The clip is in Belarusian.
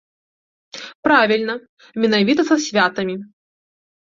Правільна, менавіта са святамі.